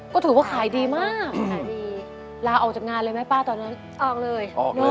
ก็ถือว่าขายดีมากขายดีลาออกจากงานเลยไหมป้าตอนนั้นออกเลย